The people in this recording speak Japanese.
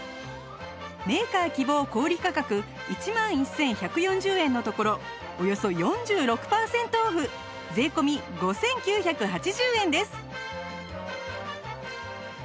メーカー希望小売価格１万１１４０円のところおよそ４６パーセントオフ税込５９８０円です